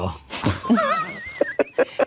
ฮือ